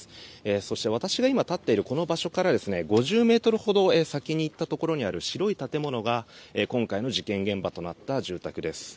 そして私が今立っているこの場所から５０ｍほど先に行ったところにある白い建物が今回の事件現場となった住宅です。